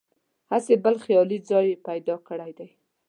هسې بل خیالي ځای یې پیدا کړی دی.